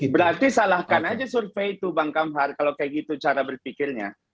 berarti salahkan aja survei itu bang kamhar kalau kayak gitu cara berpikirnya